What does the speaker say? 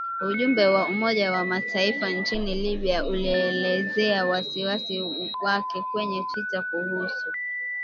Ujumbe wa Umoja wa Mataifa nchini Libya ulielezea wasiwasi wake kwenye twitter kuhusu